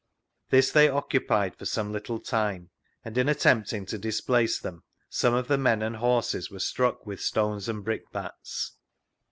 This they occupied for some little time, and in attempting to displace them, some of the men and horses were struck with stones and brickbats.